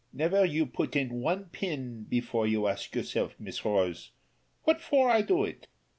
Never you put in one pin before you ask yourself, Miss Rose, what for I do it?